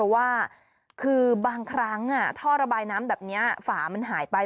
ว่าคือบางครั้งท่อระบายน้ำแบบนี้ฝามันหายไป